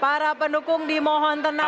para pendukung dimohon tenang